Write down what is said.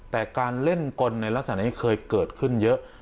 แต่การเล่นกลในลักษณะนี้เคยเกิดขึ้นเยอะ